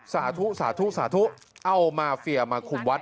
สาธุเอามาเฟียมาขุมวัด